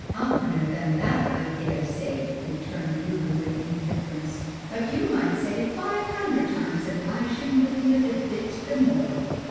"Oftener than that, I dare say," returned Lulu with indifference, "but you might say it five hundred times and I shouldn't believe it a bit the more.